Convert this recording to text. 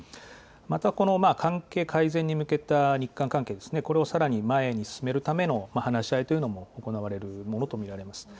またこの関係改善に向けた日韓関係、これをさらに前に進めるための話し合いというのも行われるものと見られます。